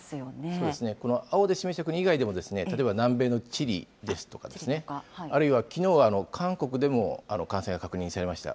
そうですね、この青で示した国以外でも、例えば、南米のチリですとか、あるいは、きのうは韓国でも感染が確認されました。